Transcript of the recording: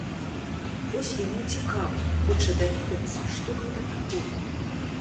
Вось яму цікава, хоча даведацца, што гэта такое.